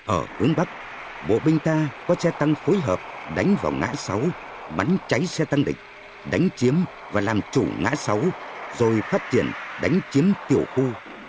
ở hướng bắc bộ binh ta có xe tăng phối hợp đánh vào ngã sáu bắn cháy xe tăng địch đánh chiếm và làm chủ ngã sáu rồi phát triển đánh chiếm tiểu khu